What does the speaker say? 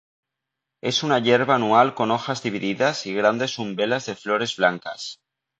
Es una hierba anual con hojas divididas y grandes umbelas de flores blancas.